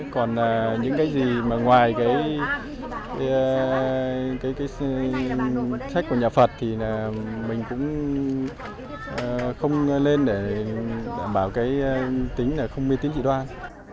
còn những cái gì mà ngoài cái sách của nhà phật thì mình cũng không lên để đảm bảo cái tính là không biết tính trị đoan